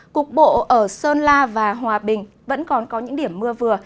cục bộ ở sơn la và hòa bình vẫn còn có những điểm mưa vừa